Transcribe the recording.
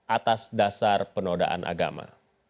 atas dasar penodaan agama